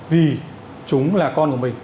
vì chúng là con của mình